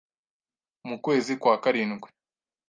Mu kwezi kwa karindwi,